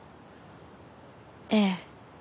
ええ。